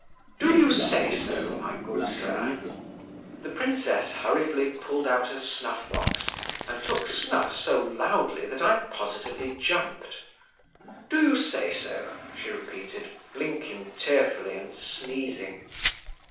"Do you say so, my good sir." The princess hurriedly pulled out her snuff box and took snuff so loudly that I positively jumped. "Do you say so," she repeated, blinking tearfully and sneezing.